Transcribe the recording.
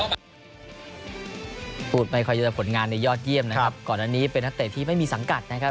พูดไม่ค่อยเยอะผลงานในยอดเยี่ยมนะครับก่อนอันนี้เป็นนักเตะที่ไม่มีสังกัดนะครับ